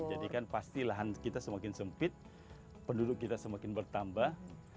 jadi kan pasti lahan kita semakin sempit penduduk kita semakin bertambah